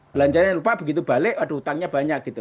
belanjanya lupa begitu balik aduh hutangnya banyak gitu